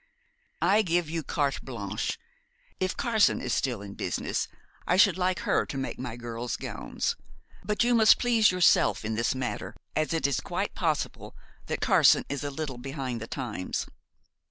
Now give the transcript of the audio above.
I give you carte blanche. If Carson is still in business I should like her to make my girl's gowns; but you must please yourself in this matter, as it is quite possible that Carson is a little behind the times.